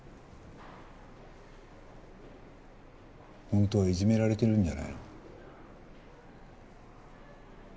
本当はいじめられてるんじゃないの？